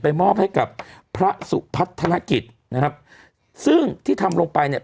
มอบให้กับพระสุพัฒนกิจนะครับซึ่งที่ทำลงไปเนี่ย